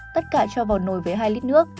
tất cả cho vào nồi với hai lít nước